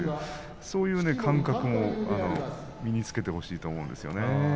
そういう感覚も身につけてほしいと思うんです。